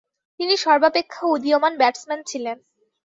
তিনি সর্বাপেক্ষা উদীয়মান ব্যাটসম্যান ছিলেন।